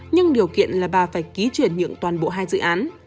nhưng điều kiện là bà phải ký chuyển nhượng toàn bộ hai dự án